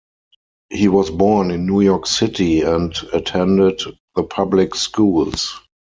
He was born in New York City and attended the public schools.